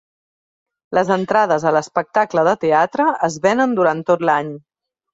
Les entrades a l'espectacle de teatre es venen durant tot l'any.